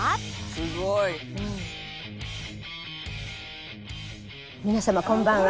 「すごい」皆様こんばんは。